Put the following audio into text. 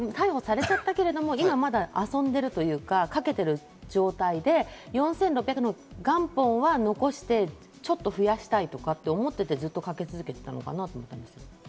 だとしたら逮捕されちゃったけど、今まだ遊んでるというか、賭けてる状態で４６００万の元本は残して、ちょっと増やしたりとか思って、ずっと賭け続けてたのかなと思いますけど。